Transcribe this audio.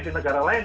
di negara lain